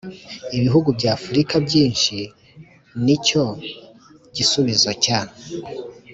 ibihugu by'afurika byinshi ni icyo gisubizo cya